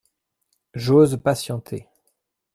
J'ose patienter.